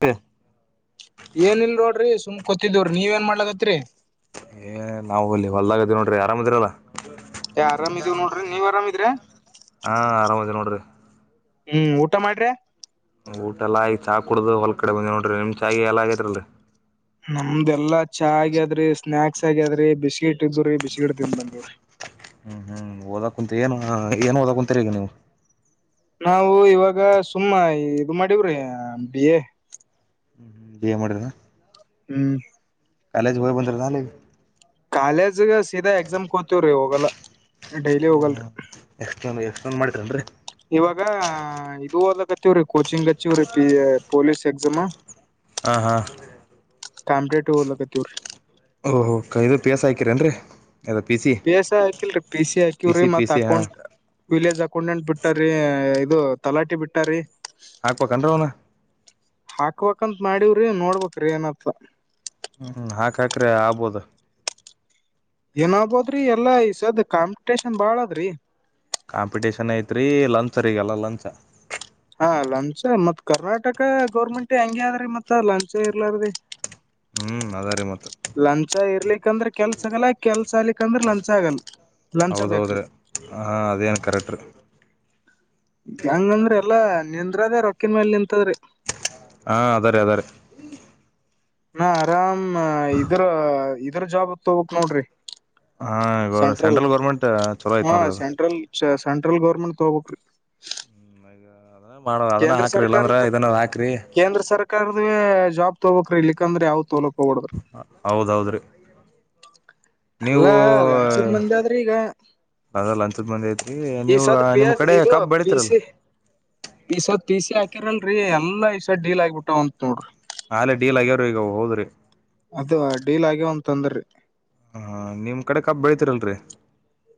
ಹೆ [inaudible] ಏನ್ ಇಲ್ರೋಡ್ರಿ ಸುಮ್ ಕೊತ್ತಿದವ್ರರಿ ನೀವ ಏನ್ ಮಾಡ್ಲಕ್ಕತ್ರಿ ಏ ನಾವು ಅಲ್ಲಿ ಹೊಲ್ದಾಗದೀವಿ ನೋಡಿರಿ ಆರಾಮದಿರಲ್ಲ ಹೇ ಆರಾಮ್ ಇದೀವ್ ನೋಡಿರೀ ನೀವ್ ಆರಾಮಿದ್ರೆ ಹಾಂಆರಾಮ್ ಅದೀವಿ ನೋಡಿರಿ? ಹ್ಮ್ ಊಟ ಮಾಡರ್ಯ ಊಟ ಎಲ್ಲ ಆಗಿ ಚಾ ಕುಡು ಹೊಲ್ ಕಡೆ ಬಂದ ನೋರಿ ನಿಮ್ ಚಾ ಗೀ ಎಲ್ಲ ಆಗೈತ್ರಿಲ್ರಿ ನಮ್ದೆಲ್ಲಾ ಚಾ ಆಗ್ಯಾದ್ರಿ ಸ್ನಾಯಾಕ್ಸ್ ಆಗ್ಯಾದ್ರಿ ಬಿಸ್ಕಿಟ್ ಇದ್ರೀ ಬಿಸ್ಕಿಟ್ ತಿಂದ ಬಂದೇವ್ರಿ ಹ್ಮ್ ಹ್ಮ್ ಓದಕ ಕುಂತ ಏ ಏನ್ ಓದ ಕುಂತರಿ ಈಗ ನೀವು ನಾವು ಇವಾಗ ಸುಮ್ಮ ಇದು ಮಾಡಿವ್ರಿ ಬಿ ಎ ಏನ್ ಮಾಡಿದ್ರಿ ಹ್ಮ್ ಕಾಲೇಜ್ಯ ಬಂದ ನಾ [unintelligible] ಕಾಲೇಜ್ಗ ಸೀದಾ ಎಕ್ಸಾಮ್ ಕೋತಿವ್ರಿ ಹೋಗಲ್ಲ ಡೈಲಿ ಹೋಗಲ್ರಿ ಎಕ್ಸ್ಪ್ಲೇನ್ ಎಕ್ಸ್ಪ್ಲೇನ್ ಮಾಡಿರೇನ್ರಿ ಇವಾಗ ಇದು ಒದಕ ಹತ್ತವ್ರೀ ಕೋಚಿಂಗ್ ಹತ್ತಿವವ್ರೀ ಪಿ ಪೊಲೀಸ್ ಎಕ್ಸಾಮ ಹಾಂ ಹಾಂ ಕಾಂಪಿಟಿಟಿವ್ ಓದಕ್ತಿವ್ರಿ ಓಹೋ ಾ ಇದು ಪೀ ಎಸ್ ಹಾಕಿರೇನ್ರರಿ ಯದ ಪಿ ಸಿ ಪಿ ಎಸ್ ಹಾಕಿಲ್ರರಿ ಪಿ ಸಿ ಪಿ ಹಾಕಿವ್ರಿ ಪಿ ಮತ್ತ ಸಿ ಹಾಂ ಅಕೌಂಟ್ ವಿಲೇಜ್ ಅಕೌಂಟೆಂಟ್ ಬಿಟ್ಟಾರಿೀ ಇದು ತಲಾಟಿ ಬಿಟ್ಟಾರಿೀ ಹಾಕ್ಬೇಕನ್್ರ ಅವನ ಹಾಕ್ಬೇಕ್ಂತ್ ಮಾಡವ್ರಿ ನೋಡ್ಬೇಕ್ರಿ ಏನತ್ತ ಹ್ಮ್ ಹಾಕಾಕ್ರೆ ಆಗ್ಬೋದು ಏನಾಗಬೋದ್ರಿ ಎಲ್ಲಾ ಇಸದ್ ಕಾಂಪಿಟೇಷನ್ ಬಾಳದ್ರಿ ಕಾಂಪಿಟೇಷನ್ ಐತ್ರಿ ಲಂಚರಿ ಈಗಲ್ಲ ಲಂಚ್ ಹಾ ಲಂಚ್ ಮತ್ತ್ ಕರ್ನಾಟಕ ಗೌರ್ಮೆಂಟ್ ಹಂಗೆ ಅ ಆದ್ರಿ ಮತ್ ಲಂಚ ಇರ್ಲಾರೀ ಹ್ಮ್ ಅದ ರೀ ಮತ್ತ ಲಂಚ ಇರ್ಲಿಕ್ಕಂದ್ರ ಕೆಲ್ಸ ಆಗಲ್ಲ ಕೆಲ್ಸ ಆಗ್ಲಿಕ್ಕ ಅಂದ್ರ ಲಂಚ್ ಆಗಲ್ಲ ಲಂಚ ಬೇಕ್ರಿ ಹೌದೌದ್ರೀ ಹಾ ಅದೇನು ಕರೆಕ್ಟ್ ರೀ ಹೆಂಗಂದ್ರ ಎಲ್ಲಾ ನಿಂದ್ರದ ರೊಕ್ಕನ್ ಮೇಲ್ ನಿಂತದ್ರಿ ಹಾಂ ಅದ ರೀ ಅದ ರ ನಾ ಆರಾಮ್ ಇದ್ರ ಇದ್ರ ಜಾಬ್ ತೋಗಬೇಕು ನೋಡ್ರಿ ಹಾ ಸೆಂಟ್ರಲ್ ಸಂಟ್ರಲ್ ಗೌರ್ಮೆಟ್ ಚಲೋ ಆಯ್ತ್ ನೋಡ್ರಿ ಅದು ಸ ಸಂಟ್ರಲ್ ಗೌರ್ಮೆಟ್ ತೊಬೇಕು ಹ್ಮ ಈಗ ಅದ ಮಾಡುವ ಅದನ್ನ ಕೇಂದ್ರ ಹಾಕ್ರಿ ಇಲ್ಲಾಂದ್ರ ಸರ್ಕಾರದ ಇದನ್ನ ಹಾಕ್ರಿ ಕೇಂದ್ರ ಸರ್ಕಾರದ ಜಾಬ್ ತಗೋಕ್್ರೀ ಇಲಿಕ್ಕಂದ್ರೆ ಯಾವ್ ತೋಲಕ್ ಹೋಗಬಡ್ಡ್ಡು ಹೌದೌದು್ರೀ ಅಲ್ಲ ಲಂಸದ್ ಮಂದಿ ಆದ್ರಿ ಈಗ ಅದಲ್ಲ ಲಂಚದ ಮಂದಿ ಐತಿ ಈ ನೀವು ಸದ್ ಪಿ ನಿಮ್ ಎಸ್ ಕಡೆ ಇದು ಕಬ್ ಪಿ ಬೇಲಿತಿರೇನ್ರಿ ಸಿ ಈ ಸತ್ ಪೀ ಸಿ ಹಾಕರಲ್ರಿ ಎಲ್ಲ ಈ ಸತ್ ಡೀಲ್ ಆಗ್ಬಿಟ್ಟು ಅಂತ ನೋಡ್ರಿ ಆಾೇ ಡೀಲ್ ಆಗ್ಯಾವ್ರೀ ಈಗ ಹೋದ್ರಿ ಅದ ಡೀಲ್ ಆಗ್ಯವ ಅಂತ ಅಂದ್ರೀ ಹಾ ನಿಮ್ಮ್ ಕಡೆ ಕಬ್ ಬೆಳಿತತಿೀರಲ್ರಿ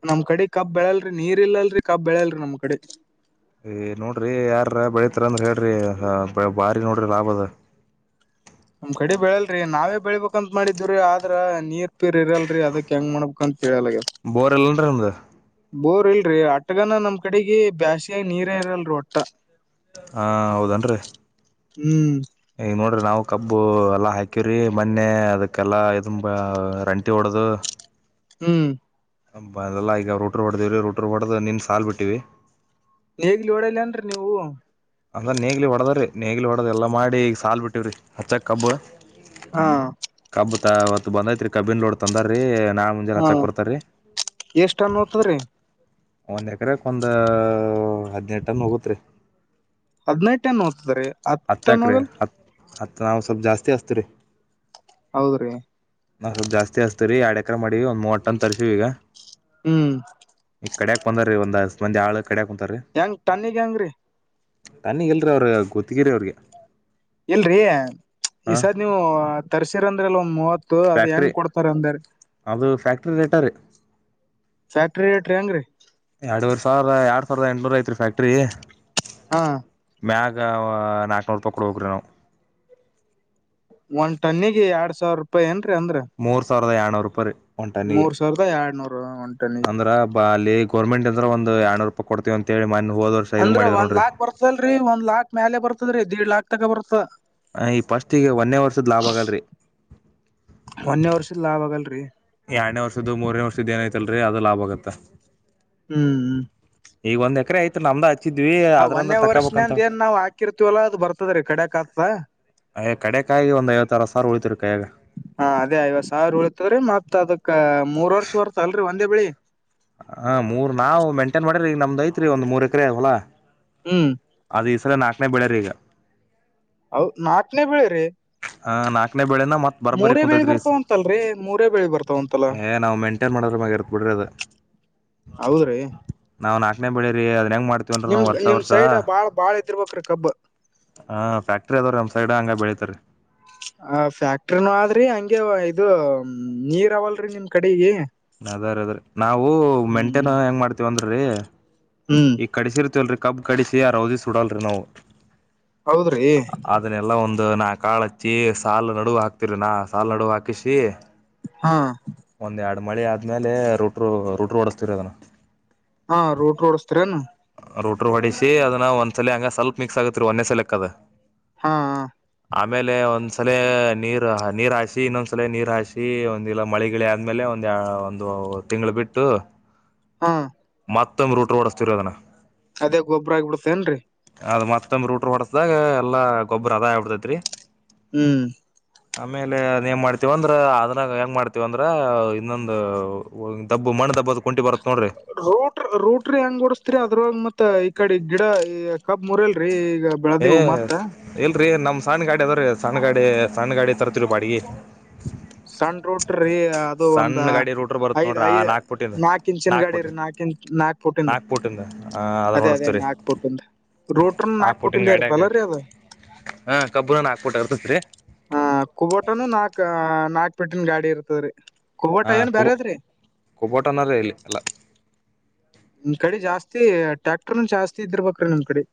ನಮ್ ಕಡೆ ಕಬ್ ಬೆಳಲ್ರರಿ ನೀರ್ ಇಲ್ಲಲ್ರರಿ ಕಬ್ ಬೆಳಲ್ರಿ ನಮ್ ಕಡೆ ನೋಡ್ರಿ ಯಾರ ಬೆಳತ್ರಿ ಅಂದ್ರ ಹೇಳ್ರಿ ಬಾರಿ ನೋಡ್ರಿ ಲಾಭ ಅದ ನಮ್ ಕಡೆ ಬೆಳಲ್ರರಿ ನಾವೇ ಬೆಳಬೇಕಂತ ಮಾಡಿದ್ರಿ ಆದ್ರ ನೀರ್ ಪೀರ್ ಇರಲ್ರರಿ ಅದಕ್ ಹೆಂಗ್ ಮಾಡ್ಬೇಕ ಅಂತ ಹೇಳಲ್ಗ ಬೋರ್ ಇಲ್ಲನ್ರೀ ನಮದು ಬೋರ್ ಇಲ್ರರಿ ಆಟಗನ ನಮ್ ಕಡೆಗೆ ಬ್ಯಾಸ್ಯಾಗಿ ನೀರ ಇರಲ್ರಿ ಒಟ್ಟ ಹಾ ಹೌದೇನ್ರಿ ಹ್ಮ್ ಈಗ ನೋಡ್ರಿ ನಾವು ಕಬ್ಬು ಎಲ್ಲ ಹಾಕಿವ್ರಿ ಮೊನ್ನೆ ಅದಕ್ಕೆಲ್ಲ ಇದ ರಂಟಿ ಹೊಡದು ಹ್ಮ್ ಹ ಬ ಅದೇಲ್ಲ ಈಗ ರೋಟ್ರು ಹೊಡೆ್ದೇವಿ ರೋಟ್ರಿ ಹೊಡ್ದ ನಿನ್ ಸಾಲು ಬಿಟ್ಟಿವಿ ನೇಗ್ಲಿ ಹೊಡಿಯಲ್ಲ ಏನ್ರಿ ನೀವು ಅಂದ್ರ ನೇಗ್ಲಿ ಹೊಡದ್ರೀ ನೇಗ್ಲೆ ಹೊಡದ್ ಎಲ್ಲ ಮಾಡಿ ಈಗ ಸಾಾಲ ಬಿಟ್ಟಿವ್ರಿ ಹಚ್ಚಕ್ ಕಬ್ಬ ಹಾ ಕಬ್ಬ ತ ಅವತ್ ಬಂದೈತ್ರಿ ಕಬ್ಬಿಿನ ಲೋಡ್ ತಂದಾರ್ರೀ ನಾ [unintelligible] ಹಾ ಹಚ್ಚಾಕ್ ಬರ್ತರಿ ಎಷ್ಟ್ ಟನ್ ಹೋತದ್ರಿ ಒಂದು ಎಕರೆಕ್ ಒಂದು ಹದಿನೆಂಟ ಟನ್ ಹೋಗತ್ ರೀ ಹದಿನೆಂಟನ್ನು ಹಓದ್ತಾರೆ ಹತ್ತುಕ ರೀ ಹತ್ತು ಹತ್ತು ನಾವು ಸ್ವಲ್ಪ ಜಾಸ್ತಿ ಹಸ್ತ ರೀ ಹೌದ್ರಿ ನಾವು ಸ್ವಲ್ ಜಾಸ್ತಿ ಹಸ್ತೀರಿ ಎರಡು ಎಕ್ರ ಮಾಡಿ ಒಂದ ಮೂವಟ್ಟ ಅ ತರಿಸೀ ಈಗ ಹ್ಮ್ ಈ ಕಡೆಡ್ಯಾಕ್ ಬಂದಾರೀ ಒಂದ್ ಹತ್ ಮಂದಿ ಆಳ ಕಡ್ಯಾಕ್ಂತಾರೀ ಹೆಂಗ್ ತನ್ನಿಿಗೆ ಹೆಂಗ ರೀ ತನ್ನಿಗಲ್ರಿೀ ಅವ್ರ ಗೊತ್ತಗಿರಿ ಅವ್ರಿಗೆ ಇಲ್ರರಿ ಹಾ ಈ ಸದ್ ನೀವು ತರ್ಸಿರಂದ್ರ ಅಲ್ ಒಂದ್ ಮೂವತ್ತು ಅದ್ ಫ್ಯಾಕ್ಟ್ರಿ ಹೆಂಗ್ ಕೊಡ್ತಾರ ಅಂದ್ರ ಅದು ಫ್ಯಾಕ್ಟ್ರಿ ರೇಟರ್ ಸಾ್ಯಾಕ್ರಿ ೇಟ್ರಿ ಅಂಗ್ರೀ ಎರಡುೂ ಸಾವರ ಎರಡ್ ಸಾವರದ ಎಂಟನೂರ ಐ ರ ್ಯಾಕ್್ರರಿ ಹಾ ಮ್ಯಾಗ ನಾಲ್ಕನೂರು ರೂಪಾಯಿ ಕೊಡ ಹೋಗ್ರಿ ನಾವು ಒಂದ್ ಟನ್ನಿಿಗೆ ಎರಡ್ ಸಾವಿರ ರೂಪಾಯಿ ಏನ್ರೀ ಅಂದ್ರ ಮೂೂರು ಸಾವಿರದ ಆನ ಅವರುಪರ್ ಮೂರ್ ಸಾವಿರದ ಎರಡ್ನೂರ ಉಂಟು ಅಂದ್ರ ಬ ಅಲ್ಲಿ ಗೌರ್ಮೆಂಟ್ ಅಂದ್ರೆ ಒಂದು ಎರನೂರು ರೂಪಾಯಿ ಕೊಡ್ತತಿವಿ ಅಂತೇಳಿ ಮನೆ ಹೋದ್ರ್ ಅಂದ್ರ ಒಂದ್ ಲಾಕ್ ಬತಲ್ರರಿ ಒಂದ್ ಲಾಕ್ ಮ್ಯಾಲಲೆ ಬರ್ತದ್ರೀ ದೀಡ್ ಲಾಕ್ ತಕ ಬರ್ತ ಹ್ ಈ ಫಸ್ಟಗೆಗ ಒನ್ೇ ವರ್ಷದ್ ಲಾಭ ಆಗಲ್ರಿ ಮಂದೇ ವರ್ಷದ ಲಾಭ ಆಗಲ್ರರಿ ಎರಡನೇ ವರ್ದ್ದ ಮೂರನೇರ್ದ ಏನಐತಲ್ರರಿ ಅದು ಲಾಭ ಆಗತ್ತ ಹ್ಮ್ ಈಗ ಒಂದ ಎಕರೆ ಐತ ನಮ್ದ ಸಿದ್ವಿ ಆ ಒನ್ನೇ ವರ್ಷ್ಂದ ಏನ್ ನಾವ್ ಹಾಕಿರ್ತಿವಲ್ಲ ಅದ ಬರ್ತದ ರೀ ಕಡೆ ಕ ಆತಾ ಅಯ್ ಕಡೆ ಕಾಯಿ ಒಂದ ಐವತ್ತರ ಸಾರ್ ಉಳಿತತಿರು ಕಾಯಯಾಗ ಹಾ ಅದೇ ಐವತ್ ಸಾವಿರ ಉಳಳ್ತವ್ರೀ ಮತ್ ಅದಕ್ ಮೂರ್ ವರ್ಷ ಹೊರ್ತಲ್ರರಿ ಒಂದೇ ಬಿಳಿ ಹ ಮೂರ್ ನಾವ್ ಮೇಂಟೇನ್ ಮಾಡ್ರರಿ ಈಗ ನಮ್ದ್ ಐತ್ರಿ ಒಂದ್ ಮೂರ್ ಎಕರೆ ಆಗಲಾ ಹ್ಮ್ ಅದ ಈ ಸಲ ನಾಕನೇ ಬೆಳ್ಯರಿ ಈಗ ಹೌದ ನಾಕನೇ ಬೆಳಿ ರರಿ ಹ ನಾಲ್ಕನೇ ಬೆಳೇಳೆನ ಮತ್ತತ್ ಬರಬರಿ ಬೆಳಿ ಕುಂತೈತ್ರಿ ಬರ್ತಾವಂತಲ್ರರಿ ಮೂರೇ ಬೆಳಿ ಬರ್ತಾವಂತಲ್ಲ ಏ ನಾವ್ ಮೇಂಟೈನ್ ಮಾಡೋದ್ರ ಮ ಇರ್ತ್ ಬಿಡ್ರಿ ಅದ [inaudible] ಹೌದ್ರಿ ನಾವ್ ನಾಕನೇ ಬೆಳಿರಿ ಅದನೇಂಗ ಮಾಡ್ತವಿ ನಿಮ್ ನಿಮ್ ಸೈಡ್ ಬಾಳ ಬಾಳ ಇದ್ದಿರ್ಬೇಕ್ರೀ ಕಬ್ ಹಾಕ್ಟ್ರಿ ಅದಾವೀ ನ್ ಸೈಡ್ ಹಂಗ ಬೆಳಿತತರಿ ಆ ಫ್ಯಾಕ್ಟ್ರಿನೂ ಆದ್ರಿ ಹಂಗೆ ಇದು ನೀರ್ ಅವಲ್ರಿ ನಿಮ್ ಕಡೆಗ ಅದ್ರ ಅದ್ರ ನಾವು ಮೆಂಟೇನ್ ಹೆಂಗ್ ಮಾಡ್ತೀವಂದ್ರೀ ಹ್ಮ್ ಕಡಸೀರ ತೊಲ್ರಿ ಕಬ್ಪ್ ಕಡಿಸಿ ಯಾರಾವದು ಸಡಾಲ್ ರೆ ನೋವು ಹೌದ್ರಿ ಅದನ್ನೆಲ್ಲ ಒಂದು ನಾಕಾಳು ಹಚ್ಚಿ ಸಾಲು ನಡುವ ಹಾಕ್ತಿರಿ ನಾ ಸಾಲ ನಡುವ ಹಾಕಿಸಿ. ಹಾ ಒಂದ್ ಎರಡು ಮಳಿ ಆದ್ಮೇಲೆ ರೂಟ್ ರೂಟ್ರು ಓಡಿಸತೀರಿ ಅದನ್ನು. ಹಾ ರೂಟ್ ಹೊಡಿಸ್ತೀರೇನು. ರೋಟರು ಹೊಡಿಸಿ ಅದನ್ನ ಒಂದ್ಸಲ ಹಂಗೆ ಸ್ವಲ್ಪ್ ಮಿಕ್ಸ್ ಆಗತ್ತತ್ರಿ ಒನ್ನೆ ಸಲಕ್ಕೆ ಅದು. ಹಾ ಹಾ. ಆಮೇಲೆ ಒಂದ್ಸಲ ನೀರ್ ನೀರ್ ಹಾಸಿ ಇನ್ನೊಂದ್ಸಲ ನೀರ್ ಹಾಸಿ ಒಂದಿಲ್ಲ ಮಳಿಗೆ. ಗಿಳಿ ಆದ್ಮೇಲೆ ಒಂದ ಒಂದು ತಿಂಗಳು ಬಿಟ್ಟು. ಹಾ ಮತ್ತೊಂದು ರೂಟ್ ಹೊಡಿಸ್ತೀದ್ವಿ ಅದನ್ನ. ಅದೇ ಗೊಬ್ಬರ ಹಾಗಿಬಿಡ್ತೇನ್ರಿ. ಅದ್ ಮತ್ತಮ್ಮ ರೂಟ್ರ ಹೊಡಿಸದಾಗ ಎಲ್ಲ ಗೊಬ್ಬರ ಅದೇ ಹಾಗಿಬಿಡ್ತತ್ರಿ. ಹ್ಮ್ ಆಮೇಲೆ ಏನ್ ಮಾಡ್ತತಿವಿ ಅಂದ್ರ ಅದ್ರಾಗ ಹೆಂಗ ಮಾಡ್ತವಿ. ಅಂದ್ರ ಇನ್ನೊಂದು ದಬ್ಬ ಮಣ್ಣ ದಬ್ಬದ ಕುಂಟಿ ಬರುತ್ ನೋಡ್ರಿ. ರೋಟ್ರ ರೋಟ್ರು ಹೆಂಗ್ ಹೊಡಸ್ತೀರಿ ಅದ್ರಾಗ ಮತ್ತತ್ ಈ ಕಡೆ ಗಿಡ ಈ ಕಬ್ ಮುರಲ್ರರಿ ಈಗ. ಏ ಬೆಳದಿವು ಮತ್ತ ಎಲ್ರರಿ ನಮ್ ಸಣ್ಣ ಗಾಡಿ ಅದಾವ್ರೀ ಸಣ್ಣ ಗಾಡಿ ಸಣ್ಣ ಗಾಡಿ ತರ್ತಿರಿವಿ ಬಾಡಿಗೆ. ಸಣ್ಣ ರೋಟ್ರೀ. ಅದು ಒಂದ ಸಣ್ಣ ಗಾಡಿ ರೂಟ್ರ್ ಬರುತ್ ಐದ ನೋಡ್ರಿ ಆ ನಾಕ್ ಪುಟಿಂದ ನಾಕ ಇಂಚಿನ ಗಾಡಿರೀ ನಾಕ್ ನಾಕ್ ಪಟ್ಟಂದು ಪುಟಿಂದ ಆ ಅದನ್ನ ಅದೇ ಅದೇನ್ನ ಓಡಸ್ತವ್ರಿ ಹಾಕ್ಬುಟ್ಟಂದು. ರೋಟರ್ ನಾಕ್ ಪುಟಿನ್ ಪುಟ್ಟಿಂದ ಗಾಡ್ಯಾಗ ಇರ್ಪಲ್ಲರೀ ಅದು. ಹಾ ಕಬ್ಬದು ನಾಕ್ ಪುಟ್ಟ ಇರತೈತ್ರಿ. ಕುಬೋಟನು ನಾಲ್ಕ್ ನಾಲ್ಕ್ ಪೆಟ್ಟಿನ ಗಾಡಿ ಇರ್ತವ್ರರಿ ಹಾ ಕುಬೋ ಕುಬೋಟ ಇಲ್ಲಿ ಎಲ್ಲ. ನಿಮ್ ಕಡೆ ಜಾಸ್ತಿ ಟ್ಯಾಕ್ಟರ್ ಜಾಸ್ತಿ ಇದರ್ಬೇಕ್ರೀ ನಿಮ್ ಕಡೆ.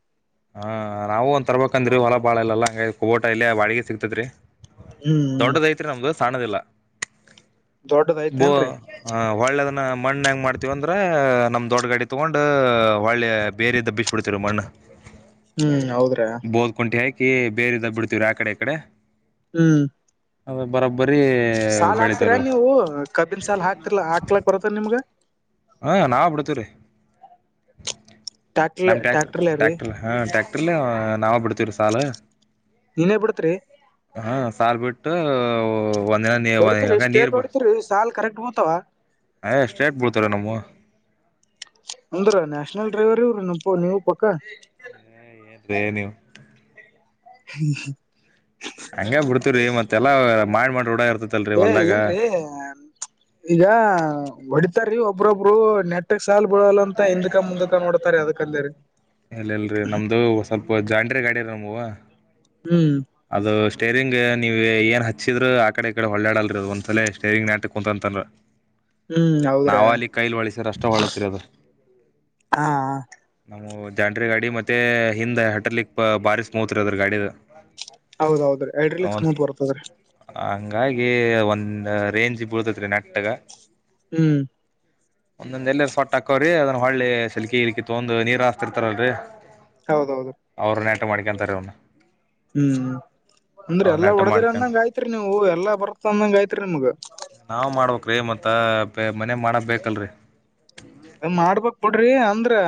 ಹಾ ನಾವು ಒಂದ ತರ್ಬಬೇಕಂದ್ರೀ ಹೊಲ ಬಾಳ ಇಲ್ಲ ಹಂಗ ಕೋಬೋಟ ಇಲ್ಲಿಯ ಬಾಡಿಗೆ ಸಿಕ್ತದ್ರಿ. ಹ್ಮ್ ಹ್ಮ್ ದೊಡ್ಡದೈತ್ ನಮ್ಗ ಸಣ್ಣದಿಲ್ಲ ದೊಡ್ಡದ ಬೋ ಐತೆೇನ್ರರಿ ಹಾ ಒಳ್ಳೆದನ್ನ ಮಣ್ಣ ಹೆಂಗ್ ಮಾಡ್ತೀವಂದ್ರ ನಮ್ ದೊಡ್ಡ ಗಾಡಿ ತಗೊಂಡ್ ಒಳ್ಳೆ ಬೇರಿದ್ದ. ಬಿಡ್ತಿವಿ ಮಣ್ಣ. ಹ್ಮ್ ಹೌದ್ರ. ಬೋದ್ ಕುಂಟಿ ಹಾಕಿ ಬೇರೆ ಇದ ಬಿಡ್ತೀರ ಆ ಕಡೆ ಈ ಕಡೆ ಹ್ಮ್ ಅದೇ ಬರೋಬ್ಬರಿ ಬೆಳಿತಾರೆ. ಓ. ಕಬ್ಬಿನ ಸಾಲ ಹಾಕ್ತಿರಲ್ಲ ಹಾಕ್ಲಕ್ ಬರತ್ತದೆ ನಿಮ್ಗೆ. ಹಾ ನಾವು ಬಿಡ್ತೀವಿರೀ. ಟ್ಯಾಕ್ಟ್ರಲೆ ನಮ್ಮ ಟ್ಯಾಕ್ ಟ್ಯಾಕ್ಟರ್ಲೆ ರೀ ಟ್ಯಾಕ್ಟರ್ ಹಾ ಟ್ಯಾಕ್ಟರ್ಲ್ಲಿ ನಾವ ಬಿಡ್ತೀವ್ರೀ ಸಾಲು. ನೀನೇ ಬಿಡತ್ರಿ. ಹಾ ಸಾಲ್ ಬಿಟ್ಟು. ಒಂದಿನ ನೀ ಹೊಡಿತರಿ ಹಂಗ ನೀರ್ ಸ್ಟ್ರೇಟ್ ಹೊಡತಿರಿ ಸಾಲ್ ಕರೆಕ್ಟ್ ಬತವ. ಹೇ ಸೇಟ್ ಬೀಡ್ತಾರೆ ನಮ್ಮವು ಅಂದ್ರ ನ್ಯಾಷನಲ್ ಡ್ರೈವರ್ ಇವ್ರೀ ನೀವು ಪಕ್ಕ. ಏನ್ರಿ ನೀವು ಹ್ಮ ಹ್ಮ. ಹಂಗೆ ಬಿಡ್ತೇವ್ರೀ ಮತ್ತೆಲ್ಲ ಮಾಡಿಮಾಡಿ ಎಲ್ಲಾ ರೂಢ ಇರ್ತತಿ. ಏ ಇಲ್ರಿ ಈಗ ಹೊಡಿತಾರೇ ಒಬ್ಬೊಬ್ರು ನೆಟ್ ಒನ್ ಒನ್ ಸಾಲ್ ಗುಳಲ್ಲಿ ಅಂತ ಹಿಂದೂ ಕೆ ಮುಂದುಕೆ ನೋಡ್ತಾರೆ ಅದಕೆ ಅಂದರೇ ಇಲ್ಲಿರಿ ನಮ್ದು ಸ್ವಲ್ಪ ಜಾಂದ್ರಿ ಗಾಡಿ ಗಳಿದವೇ ನಮ್ದು ಹೂ ಅದು ಸ್ಟೇರಿಂಗ್ ನೀವ್ ಏನ್ ಹಚ್ಚಿದ್ರು ಆ ಕಡೆ ಈ ಕಡೆ ಅಲ್ಲಾಡಲಾ ಅದು ಒಂತರ ಸ್ಟೇರಿಂಗ್ ನೆಟ್ಟುಗೆ ಕುಂತ್ಕನಲ್ಲ ಹ್ಮ್ [inaudible] ಹೌದ್ರಾ ನಾವ ಅಲ್ಲಿ ಕೈಲಿ ಅಲ್ಲಾಡ್ಸುದ್ರೆ ಮಾತ್ರ ಅಲ್ಲಾಡುತ್ತೆ ಹಾ ನಮ್ಮೋವು ಜಂಡ್ರಿ ಗಾಡಿ ಮತ್ತೆ ಹಿಂದೆ ಹೈಡ್ರಾಲಿಕ್ ಬಾರಿ ಸ್ಮೂತಿದೆ ಹೌದ ಹೌದು ಹೈಡ್ರಾಲಿಕ್ಸ್ ಸ್ಮೂತ್ ಬರುತ್ತದೆ ಹಂಗಾಗಿ ಒಂದ್ ರೇಂಜ್ ಬೀಳುತ್ತದೆ ನೆಟ್ಟುಗೆ ಹೂ ಒಂದೊಂದ ಎಲ್ಲರ ಸೊಟ್ಟ ಆಗ್ತವೆ ಅದು ಸರಿ ಸರಿ ಮಾಡ್ತೀವಿ ತೊಂದು ನೀರು ಅತ್ತರ್ ಇಲ್ರೀ ಹೌದೌದು ಅವ್ರು ನೆಟ್ಟುಗೆ ಮಾಡ್ಕೊಂತಾರೆ ಅವುನ ಹೂ ಅಂದ್ರೆ ಅವ್ರ ಎಲ್ಲಾ ನೆಟ ವರ್ಡಿರ ಮಾಡ್ಕೊಂಡ್ ಅನ್ನಂಗ್ ಅಯ್ತು ಎಲ್ಲ ಬರುತ್ತೆ ಅನ್ನೋ ಹಾಗೆ ಅಯ್ತು ನಿಮಗೆ ನಾವು ಮಾಡ್ಬೇಕ್ ರೀ ಮತ್ತೆ ಮನೆಗೆ ಮಾಡೋರು ಬೇಕ್ರಿ ಮಾಡ್ಬಕ್ ಬಿಡ್ರಿ ಅಂಡ್ರೆ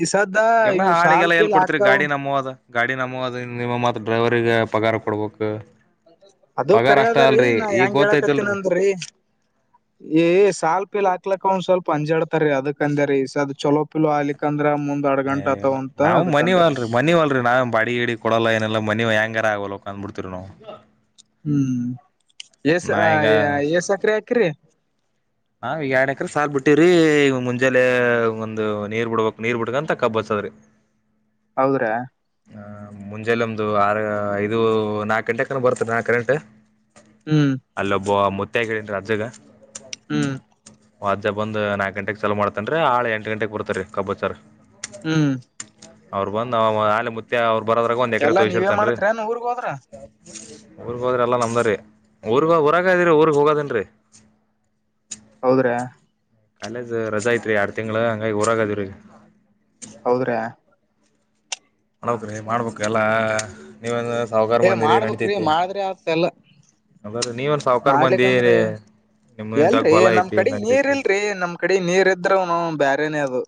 ಈ ಸದ ಎಲ್ಲಾ ಇವು ಸಾಲ್ ಆಳಿಗೆಲ್ಲ ಎಲ್ ಪೀಲ್ ಕೊಡ್ತರಿ ಅಕ್ತವೆ ಗಾಡಿ ನಮ್ಮವ ಅದ ಗಾಡಿ ನಮ್ಮವು ಇದವೆ ನಿಮ್ಮ ಮತ್ತು ಡ್ರೈವರಿಗೆ ಪಗಾರ ಕೊಡ್ಬೇಕು ಅದು ಪಗಾರ ಕರೆ ಅಷ್ಟ ಅದೆ ರೀ ಅಲ್ರರಿ ನಾ ಈಗ ಎಂಗ್ ಗೊತ್ತೈತಿಲ್ರರಿ ಹೇಳಾಕತ್ತೀನ್ರೀ ಏ ಸಾಲ್ ಪಿಲ್ ಹಾಕ್ಲಕ್ಕ ಒಂದ್ ಸ್ವಲ್ಪ ಅಂಜಾಡ್ತಾರಿ ಅದಕ್ ಅಂದೆ ರೀ ಚೊಲೋ ಪಿಲೋ ಆಲಿಕ್ ಅಂದ್ರ ಮುಂದ ನಾವ್ ಮನೆಗೋಗಲ್ರಿ ಮನೆಗೆ ಬಾಡಿಗೆ ಹೊಡೀತೀನಿ [unintelligible] ಎಸ್ ನಾ ಈಗ ಎಸ್ಟು ಎಕ್ರೆ ಹಾಕಿದ್ದೀರಿ ನಾ ಎರಡ್ ಎಕ್ರ ಸಾಲ್ ಬಿಟ್ಟಿದಿವಿ ಮುಂಜೆಲೆ ಒಂದಂದು ನೀರ್ ಬಿಡಬೇಕು ನೀರ್ ಬಿಡ್ಕಂತ ಕಬ್ಬು ಹಾಕ್ಬೇಕು ಹೌದ್ರಾ ಮುಂಜಾನೆ ಒಂದು ನಾಲ್ಕು ಐದುದ ಗಂಟೆಗೆ ಬರುತ್ತೆ ಕರೆಂಟು ಹೂ ಅಲ್ಲೊಬ್ಬ ಮುತ್ತೆಗೆ ಹೇಳಿಡಿನಿ ಅಜ್ಜಗ ಹೂ ಒಬ್ಬನೇ ಬಂದು ನಾಲ್ಕು ಗಂಟೆಗೆ ಚಾಲೂ ಮಾಡ್ತೀನಿ ಹಾಳು ಎಂಟು ಗಂಟೆಗೆ ಬರ್ತಾರೆ ಕಬ್ಬು ಹಾಕೋರು ಹೂ ಅವರ್ ಬರುವಷ್ಟರಲ್ಲಿ ಮುತ್ತೆ ಒಂದು ಎಕರೆ ಎಲ್ಲಾ ಕೊಯ್ದಿರ್ ನೀವೇ ದೊರೆ ಮಾಡತ್ರೇನ್ ಊರ್ಗ್ ಹೋದ್ರ ಊರ್ ಗೇ ಹೋಡ್ರೆ ಎಲ್ಲ ನಮ್ದೇರೀ ಊರಿಗೆ ಹೋಗಿ ಬರೋಕಾಗಲ್ಲ ಅದಕ್ಕೆ ಊರಿಗೆ ಹೋಗಲ್ಲ ಹೌದ್ರಾ ಕಾಲೇಜ್ ರಜಾ ಐತೆರಿ ಎರಡು ತಿಂಗಳು ಹಂಗಾಗಿ ಊರಾಗಿದ್ದೀವಿ ಹೌದ್ರಾ ಮಾಡಬೇಕು ಎಲ್ಲ ನೀವಂದ್ರೆ ಸಾವುಕಾರ್ ಏ ಮಂಡಿ ಮಾಡ್ಬೇಕ್ರಿ ನಡಿತದೆ ಮಾಡಿದ್ರೆ ಆತ್ ಎಲ್ಲ ನೀವೇನ್ ಸಾವ್ಕಾರ್ ಮಂದಿ ಮಾಡ್ಲಿಕ್ಕಂದ್ರ ನಿಮಗೇನು ಹೊಲ ಇದೆ ಈ ಕಡೆ ನೀರಿದ್ರೆ ಬೇರೇನೇ ಅದು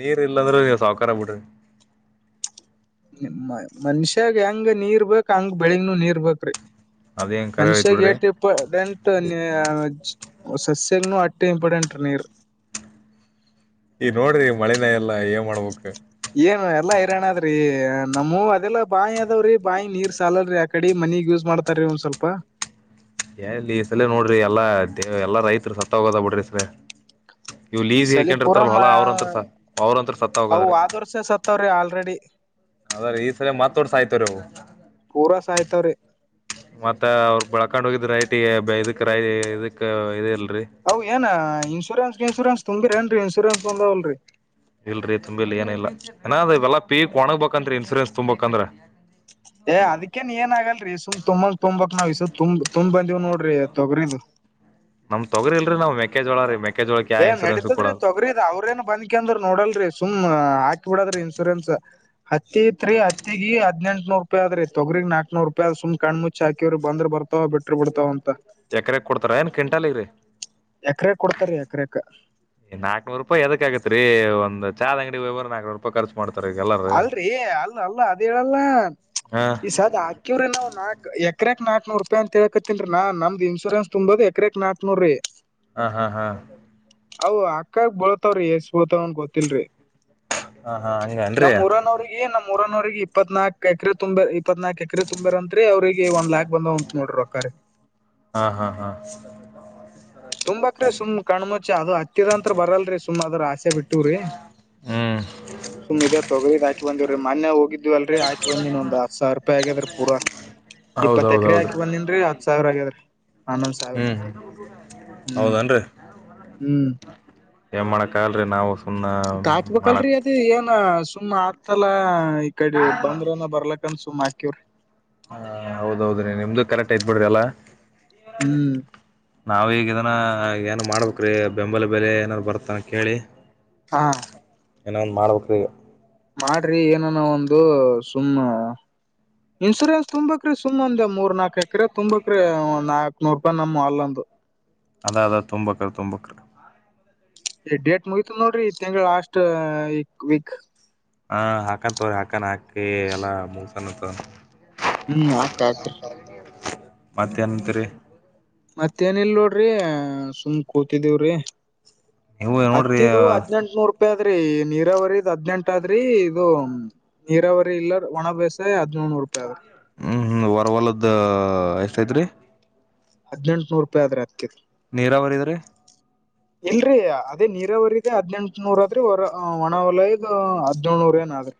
ನೀರ್ ಇಲ್ಲಾಂದ್ರೆ ನೂ ನೀವ್ ಸವ್ಕರ್ರು ಬಿಡ್ರಿ ಮನುಷ್ಯನಿಗೆ ಎಂಗ್ ನೀರು ಬೇಕೊ ಹಂಗೆ ಬೆಳೆಗೂ ನೀರ್ ಬೇಕು ಅದೇನ್ ಕರೆ ಐತ್ ಮನುಷ್ಯ ಗೆ ಬಿಡ್ರಿ [unintelligible] ಈ ನೋಡ್ರಿ ಮಳೆನೇ ಇಲ್ಲ ಏನ್ ಮಾಡ್ಬೇಕ್ರಿ ಏನು ಎಲ್ಲಾ ಹೈರಾಣ ಅದ್ರಿ ನಮ್ಮವುದೆಲ್ಲ ಬಾವಿ ಇದವೆ ಅದಕ್ಕೆ ನೀರು ಸಾಲಲ್ಲ ಕಡಿ ಮನಿಗ್ ಯೂಸ್ ಮಾಡ್ತಾರೆ ಸ್ವಲ್ಪ ಎಲ್ಲಿ ಈ ಸಲೇ ನೋಡ್ರಿ ಎಲ್ಲಾ ಎಲ್ಲ ರೈತರು ಸತ್ತ ಹೋಗೋದ ಬಿಡ್ರಿ ಸ ಇವ್ ಈ ಲೀಜಗೆ ಸಲಿ ಪೂರಾ ಹೇಕೊಂಡ್ರಿತಲ್ ಮ ಹೊಲ ಅವ್ರಂತ್ರ ಅವ್ರಂತ್ರ ಸತ್ತ ಅವು ಹೋಗದ್ರ ಆದ ವರ್ಷ ಸತ್ತವ್ರಿ ಆಲ್ರೆಡಿ ಅದ್ರ ಈ ಸಲ ಮಾತಾೋಡ್ಸ ಆಯ್ತವ ರ ಅವು ಪೂರ್ಸ ಆಯ್ತಾವ್ರೀ ಮತ್ತ ಅವ್ರ ಬೆಳ್ಕೊಂಡ್ ಹೋಗಿದ ರೈಟ್ ಇದಕ್ ರೈ ಇದಕ್ ಇದ ಇಲ್ರಿ ಅವು ಏನ ಇನ್ಶೂರೆನ್ಸ್ ಇನ್ೂರೆನ್ಸ್ ತುಂಗಿರಿ ನ್ರಿ ಇನ್ಸೂರೆನ್ಸ್ ಬಂದವಲ್ರರಿ ಇಲ್ರರಿ ತುಂಬಿ ಇ ಏನ ಇಾಏ ಇವೆಲ್ಲ ಪೀಕ್ ಒಣಗಗ್ಬೇಕಂತತ್ರಿ ಇನ್ಸೂರೆನ್ಸ್ ತುಂಬಬೇಕಂದ್ರ ಏ ಅದ್ಕನ್ ಏನ್ ಆಗಲ್ರರಿ ಸುಮ್ ತುಂಬಂಗ ತುಂಬಕ್ಾವ್ಸ ತುಂಬ ತುಂಬ್ ಬಂದೀವ್ ನೋಡ್ರಿ ತೊಗ್ರನ್ ನಮ್ ತಗರಿಲ್ರಿ ನಾವ ಮೆಕಜೋಳ ರೀ ಮೆಕ್ಕೆಜೋಳಕ್ಕೆ ಯಾವ ಏನ್ ಇನ್ಸೂರೆನ್ಸ್ ನಡತದ್ರೀ ಕೊಡಲ್ಲ ತೊಗ್ರಿದ ಅವ್ರ ೇನ್ ಬಂದ ಯಾಕಂದ್ರ ನೋಡಲ್ರರಿ ಸುಮ್ ಹಾಕಿ ಬಿಡದ್ರಿ ಇನ್ಸೂರೆನ್ಸ್ ಹತ್ತಿ ತ್ರಿ ಈಗ ಹದಿನಂಟ್ನೂರು ರೂಪಿ ಆದ್ರ ತಗ್ರಗ್ ನಾಕಕ್ೂ ರೂಪಾಯಿ ಸು್ ಕ್ಣ ಮುಚ್ಚಚ್ ಹಕವರು ಬಂದ್ ಬರ್ತಾವ ಬಿಟ್ಟ್ರ ಬಿಡ್ತಾವ ಅಂತ ಎಕರೆ ಕೊಡ್ತಾರ ಏನ್ ಕೆಂಟಲ್ ಇ ರರಿ ಎಕರೆ ಕೊಡ್ತಾರೆೀ ಎಕರೆಕ ನಾಕಕ್ನೂರು ರೂಪಾಯಿ ಅದಕ್ಕ ಆಕತ್ ರೀ ಒಂದ ಚ್ ಅಂಗಡಿ ಹೋಗ್ ನಾಕೂಿ ಖರ್ಚು ಮಾಡ್ತಾರೆ ಎಲ್ಲ ಅಲ್ರೀ ಅಲ್ ಅಲ್ಲ ಅದ ಹೇಳಲ್ಲ ಹಾ ಈಸದ ಕಿವವ್ರ ನಾಕ್ಕಕ್ ನಾಕ ನೂ ರೂಪಾಯಿ ಅಂತೇಳ್ಕತೇನ್ರಿ ನಮ್ದ್ ಇನ್ಶೂರೆನ್ಸ್ ತುಂಬೋದ ಎಕಾಕ್ ನಾಕ ನೂರ ರೀ ಹಾ ಹಾ ಹಾ ಅ್ ಅಕ್ಕಕ್ ಬೋಳತವ್ರೀ ಎಷ್ಟಸ್ ಬೋತಾವನ್ ಗೊತ್ತಿಲ್ರರಿ ಹಾ ಹಾ ಹಂಗ ನಮ್ಮ್ೂಊನವ್ರಿಗೆ ನಮ್ಮ್ೂಊನವ್ರರಿಗೆ ಇಪ್ಪತ್ ನಾಕು ಎಕರೆ ತುಂಬಾ ಇಪ್ಪತ್ನಾಕಕ್ ಎಕರೆ ತುಂಬಾರ ಅಂತ್ ಅವರಿಗೆ ಒಂದ ಲಾಕ್ ಬಂದಂತ ನೋ್ರಿ ರಕರೆ ಹಾ ಹಾ ಹಾ ಸು್ಾಕ್ರೀ ಸುಮ್ ಕಣ್ಮುಚ್ಚ ಅದು ಹತ್ತಿದಂತ್ರ ಬರಲ್ರರಿ ಸುಮ್ ಅದ್ರ ಆಸೆ ಬಿಟ್ಟವ್ರೀ ಹ್ಮ ಸುಮ್ಮ್ ಇದದೆ ತಗಿದ್ ಹಾಕ ಬಂದಿವ್ರೀ ಮೊನ್ೆ ಹೋಗಿದ್ವಲ್ರಿ ಆಕ ಬಂದ್ಿನ್ ಒಂದ ಹ ಸಾವರ ರೂಪಾಯಿ ಆಗ್ಯ್ರೀ ಪೂಾ ಇಪ್ಪತ್ತು ಎಕರೆ ಹೌದೌದೌದು ಹಾಕಿ ಬಂದನ್ರಿ ಹತ್ ಸಾವಿರ ಆಗ್ಯದ್ರರಿ ಹನ್ನೊಂದ್ ಸಾವಿರ ಹ್ಮ ಹ್ಮ್ ಹೌದೇನ್ರಿ ಹ್ಮ್ ಏನ್ ಮಾಡಕ್ ಆಲ್ರರಿ ನಾವು ಸುಮ್ನ ಹಾಕ್ಬೇಕಲ್ರರಿ ಮಾಡಕ್ ಅದ ಏನ್ ಸುಮಮ್ಮ್ ಆತಲ್ಲಾ ಕಡೆ ಬಂದ್ರನ ಬರ್ಲಕ್ಕ ಅನ್ಸು್ ಆಕ್ಯವ್ರರು ಹ ಹೌದೌದ್ರೀ ನಿಮ್ದು ಕರೆಕ್ಟ್ ಯ್ ಬಿಡ್ರಿಲ್ಲಾ ಹ್ಮ್ ನಾವೀಗ ಇದನ್ನ ಏನು ಮಾಡ್ಬೇಕ್ರೀ ಬೆಂಬಲ ಬೆಲೆ ಏನಾದಾರ್ ಬರ್ತಾನ ಕೇಳಿ ಹಾ ಏನೋ ಒಂದು ಮಾಡಬೇಕು್ರೀ ಮಾಡ್ರಿ ಏನನ ಒಂದು ಸುಮ್ಮ್ ಇನ್ಸೂರೆನ್ಸ್ ತುಂಬಬೇಕಕ್ರ ಸು್ ಒಂದ ಮೂರ್ ನಲ್ಕಕ್ ಎಕ್ರೆ ತುಂಬಬೇಕಕ್ರೀ ಒ ನಾಕಕ್ನೂರ್ ರೂಪಾಯಿ ನಮ್ಮ ಅಲ್ಲೊಂದು ಅದಾದ ಅದು ತುಂಬಕರು ತುಂಬಕ್ಕರು ಈ ಡೇಟ್ ಮುಗತ ನೋಡ್ರಿ ತಿಂಗಳ ಲಾಸ್ಟ್ ಈ ವೀಕ್ ಹ ಹಾಕನ್ ತವ್ರಿ ಹಾಕನ್ ಹಾಕಿ ಎಲ್ಲಾ ಮುಗಸನ್ ಹ್ಮ್ ಆತ ಆತ್ರಿ ಮತ್ತ್ಯಾನಂತರ ಮತ್ತೇಏನ ಇಲ್ ನೋಡ್ರಿ ಸುಮ್ ಕೂತಿದೀವ್ರಿ ನೀವು ನೋಡ್ರಿ ಹತ್ತಿದ್ ಹದ್ನೆೆಂಟ ನೂರ್ ರೂಪಾಯಿ ಆದ್ರಿ ನೀರಾವರಿಿದ್ ಹದ್ನೆಂಟ ಆದ್ರಿ ಇದು ನೀರಾವರಿ ಇಲ್ಲ ಒಣ ಬೇಸಾಯ ಹದಿನೇಳು ರೂಪಾಯಿ ಆದ್ರರಿ ಹ್ಞೂ ಹ್ಞೂ ವರವಲದ್ದ ಎಷ್ಟೈತ್ ರೀ ಹದಿನೆಂಟು ನೂರು ರೂಪಾಯಿ ಆದ್ರ ಅತ್ತಿದ್ದು ನೀರಾವರಿದು ಇಲ್ರರಿ ಅದೇ ನೀರಾವರಿರಿಗೆ ಹದ್ನೆಂಟುನೂರ ಅ ಆದ್ರಿ ಹೊರ ಒಣ ವಲಯಗ್ ಹದ್ನೋಳ್ನೂರ ಏನ್ ಆದ್ರಿ